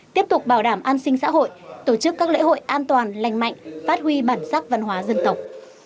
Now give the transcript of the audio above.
tiếp tục bảo đảm an sinh xã hội tổ chức các lễ hội an toàn lành mạnh phát huy bản sắc văn hóa dân tộc